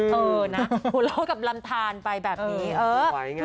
ห่วงรอกับลำชาญไปแบบนี้